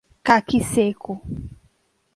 Caqui seco